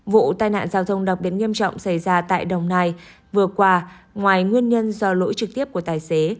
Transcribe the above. vụ tai nạn giao thông đặc biệt nghiêm trọng xảy ra tại đồng nai vừa qua ngoài nguyên nhân do lỗi trực tiếp của tài xế